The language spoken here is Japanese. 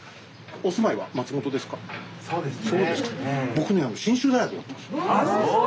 そうですか。